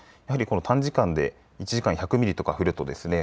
短時間で１時間に１００ミリとか降るとですね